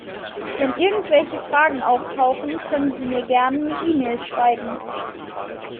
Wenn irgendwelche Fragen auftauchen, können Sie mir gern 'ne E-Mail schreiben.